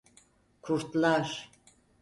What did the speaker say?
Kurtlar…